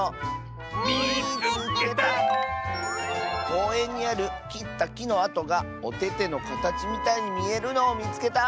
「こうえんにあるきったきのあとがおててのかたちみたいにみえるのをみつけた！」。